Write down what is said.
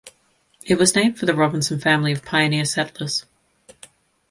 It was named for the Robinson family of pioneer settlers.